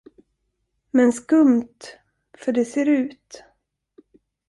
Men skumt, för det ser ut.